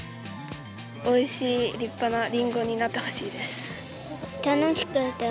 おいしい立派なりんごになっ楽しかった。